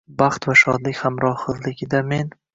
Baxt va shodlik hamrohligidamen